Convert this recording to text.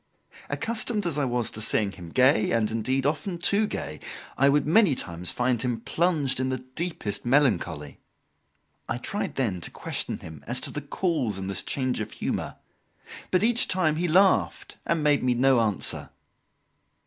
Accustomed as I was to seeing him gay and, indeed, often too gay, I would many times find him plunged in the deepest melancholy. I tried then to question him as to the cause of this change of humour, but each time he laughed and made me no answer.